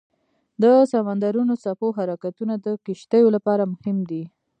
د سمندرونو څپو حرکتونه د کشتیو لپاره مهم دي.